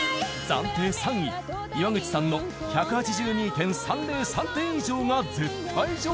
暫定３位岩口さんの１８２．３０３点以上が絶対条件。